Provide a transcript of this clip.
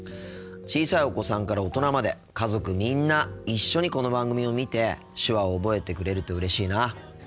小さいお子さんから大人まで家族みんな一緒にこの番組を見て手話を覚えてくれるとうれしいな。